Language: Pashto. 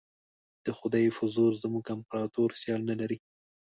د خدای په زور زموږ امپراطور سیال نه لري.